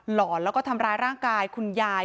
หอนแล้วก็ทำร้ายร่างกายคุณยาย